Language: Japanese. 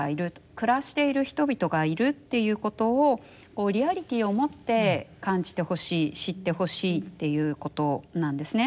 暮らしている人々がいるっていうことをリアリティーを持って感じてほしい知ってほしいっていうことなんですね。